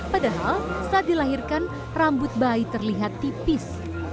padahal saat dilahirkan rambut bayi terlihat tipis